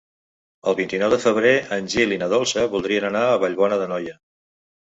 El vint-i-nou de febrer en Gil i na Dolça voldrien anar a Vallbona d'Anoia.